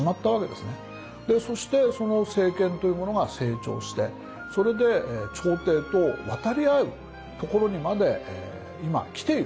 そしてその政権というものが成長してそれで朝廷と渡り合えるところにまで今来ていると。